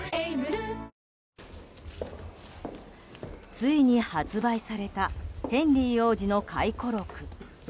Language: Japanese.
ついに発売されたヘンリー王子の回顧録。